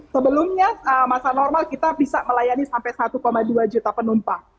sebelumnya masa normal kita bisa melayani sampai satu dua juta penumpang